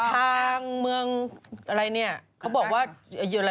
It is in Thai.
ทางเมืองอะไรเนี่ยเขาบอกว่าอะไรวะอยุธยาฝนตกหรือเปล่า